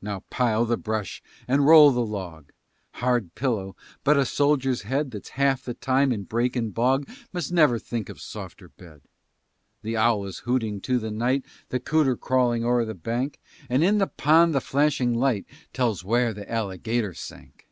Now pile the brush and roll the log; Hard pillow, but a soldier's head That's half the time in brake and bog Must never think of softer bed. The owl is hooting to the night, The cooter crawling o'er the bank, And in that pond the flashing light Tells where the alligator sank.